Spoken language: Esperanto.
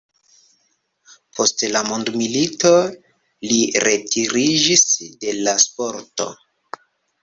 Post la mondomilito li retiriĝis de la sporto.